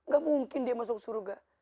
gak mungkin dia masuk surga